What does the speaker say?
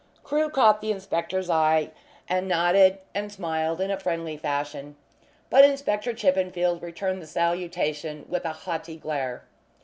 Crewe caught the inspector's eye, and nodded and smiled in a friendly fashion, but Inspector Chippenfield returned the salutation with a haughty glare.